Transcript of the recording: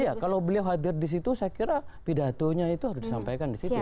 iya kalau beliau hadir disitu saya kira pidatonya itu harus disampaikan disitu